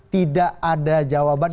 tidak ada jawaban